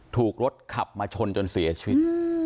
ถูกรถขับมาชนจนเสียชีวิต